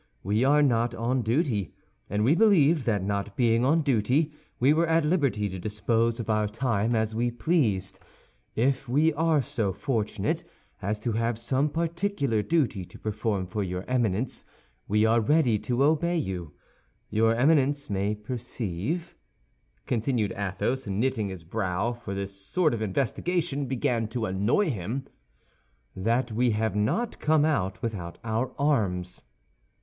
We are not on duty, and we believed that not being on duty we were at liberty to dispose of our time as we pleased. If we are so fortunate as to have some particular duty to perform for your Eminence, we are ready to obey you. Your Eminence may perceive," continued Athos, knitting his brow, for this sort of investigation began to annoy him, "that we have not come out without our arms."